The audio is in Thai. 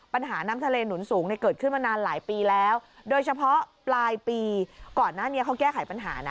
ปัญหาน้ำทะเลหนุนสูงเนี่ยเกิดขึ้นมานานหลายปีแล้วโดยเฉพาะปลายปีก่อนหน้านี้เขาแก้ไขปัญหานะ